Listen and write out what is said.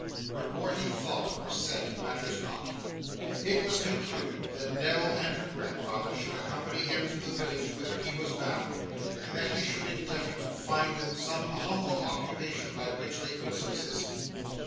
What more he thought or said, matters not. It was concluded that Nell and her grandfather should accompany him to the village whither he was bound, and that he should endeavour to find them some humble occupation by which they could subsist.